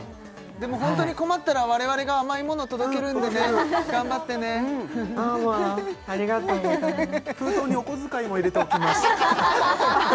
でもホントに困ったら我々が甘いものを届けるんでね頑張ってねあありがとうございます封筒にお小遣いも入れておきます